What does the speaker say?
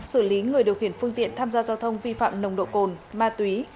xử lý người điều khiển phương tiện tham gia giao thông vi phạm nồng độ cồn ma túy